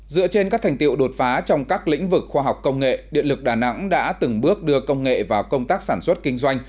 dựa trên các thành tiệu đột phá trong các lĩnh vực khoa học công nghệ điện lực đà nẵng đã từng bước đưa công nghệ vào công tác sản xuất kinh doanh